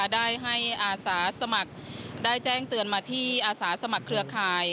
ได้แจ้งเตือนมาที่อาสาสมัครเครือข่าย